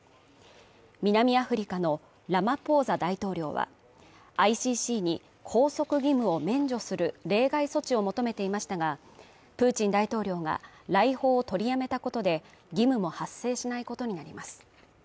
南アフリカのラマポーザ大統領は、ＩＣＣに拘束義務を免除する例外措置を求めていましたが、プーチン大統領が来訪を取りやめたことで、義務も発生しないことになります。